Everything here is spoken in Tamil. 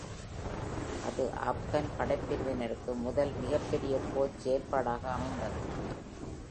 அது, ஆஃப்கன் படைப்பிரிவினருக்கு முதல் மிகப்பெரிய போர்ச் செயல்பாடாக அமைந்தது.